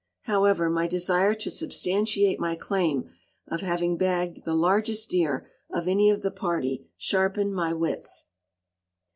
However, my desire to substantiate my claim of having bagged the largest deer of any of the party sharpened my wits.